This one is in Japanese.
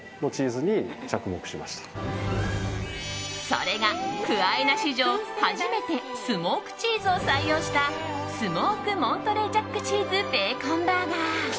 それがクア・アイナ史上初めてスモークチーズを採用したスモークモントレージャックチーズベーコンバーガー。